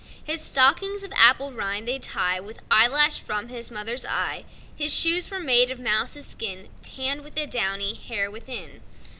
His stockings, of apple rind, they tie With eyelash from his mother's eye: His shoes were made of mouse's skin, Tann'd with the downy hair within.